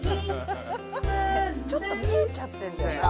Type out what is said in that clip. ちょっと見えちゃってるんだよな。